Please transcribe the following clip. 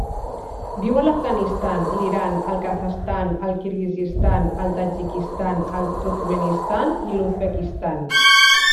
Viu a l'Afganistan, l'Iran, el Kazakhstan, el Kirguizistan, el Tadjikistan, el Turkmenistan i l'Uzbekistan.